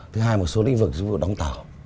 thứ hai một số lĩnh vực như đóng tàu